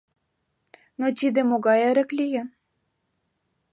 Но тиде могай эрык лийын?